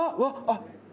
あっ。